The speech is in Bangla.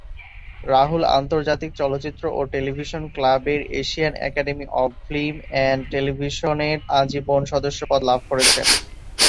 রাহুল আন্তর্জাতিক চলচ্চিত্র ও টেলিভিশন ক্লাবের Asian academy of film and টেলিভিশনের আজীবন সদস্যপদ লাভ করেছেন।